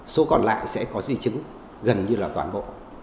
số còn lại sẽ có di chứng gần như là toàn bộ